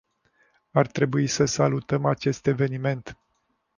Ar trebui să salutăm acest eveniment.